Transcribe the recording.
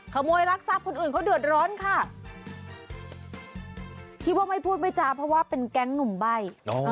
รักทรัพย์คนอื่นเขาเดือดร้อนค่ะที่ว่าไม่พูดไม่จาเพราะว่าเป็นแก๊งหนุ่มใบ้